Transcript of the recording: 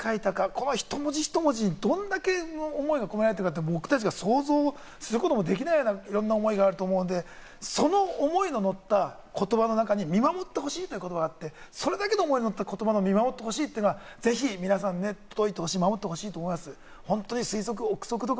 この一文字一文字、どんだけの思いが込められてるか、僕たちが想像することもできないような、いろんな思いがあると思うので、その思いの乗った言葉の中に見守ってほしいという言葉があって、それだけの思いの乗った言葉、見守ってほしいという言葉、ぜひ皆さんに届いてほしい、守ってほしいと思います。